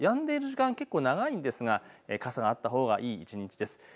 やんでいる時間結構長いんですが傘があったほうがいい一日です。